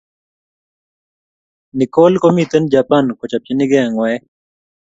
Nikol ko mkiten japan kochapchinkee ngwaek